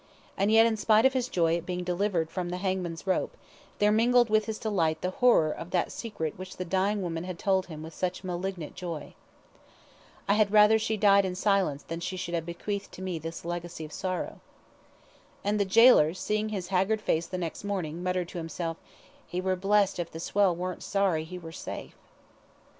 And yet, in spite of his joy at being delivered from the hangman's rope, there mingled with his delight the horror of that secret which the dying woman had told him with such malignant joy. "I had rather she had died in silence than she should have bequeathed me this legacy of sorrow." And the gaoler, seeing his haggard face the next morning, muttered to himself, "He war blest if the swell warn't sorry he war safe."